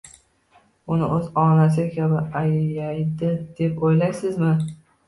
uni o‘z onasi kabi ayaydi, deb o‘ylaysizmi?